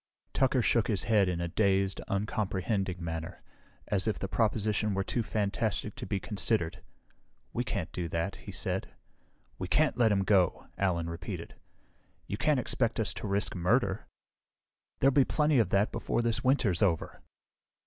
Tucker shook his head in a dazed, uncomprehending manner, as if the proposition were too fantastic to be considered. "We can't do that," he said. "We can't let him go!" Allen repeated. "You can't expect us to risk murder!" "There'll be plenty of that before this winter's over!"